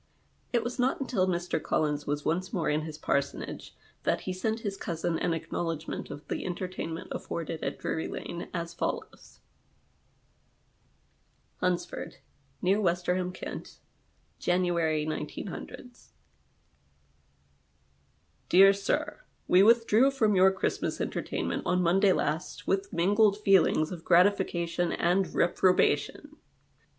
It was not until Mr, Collins was once more in his ])arsonagc that he sent his cousin an acknowledgment of the entertainment afforded at Drury Lane, as follows :—" HuNSFOui), near Westerham, Kent, " January, 19 —." Dear Sir, — We withdrew from your Ciiristmas cntertaimnent on Monday last with mingled feelings of gratification and reprobation.